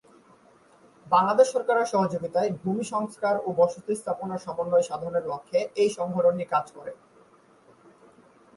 বাংলাদেশ সরকারের সহযোগিতায় ভূমি সংস্কার ও বসতি স্থাপনের সমন্বয় সাধনের লক্ষ্যে এই সংগঠনটি কাজ করে।